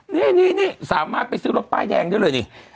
นี่สามารถไปซื้อรถป้ายแดงได้เลยนี่